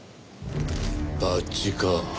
バッジか。